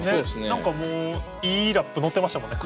何かもういいラップ乗ってましたもんね